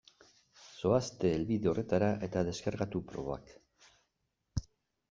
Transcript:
Zoazte helbide horretara eta deskargatu probak.